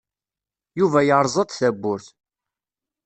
Yuba yerẓa-d tawwurt.